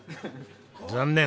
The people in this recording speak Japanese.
残念！